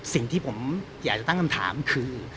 สิ่งที่ผมอยากจะตั้งคำถามคือ